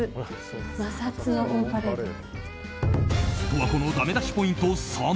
十和子のダメ出しポイント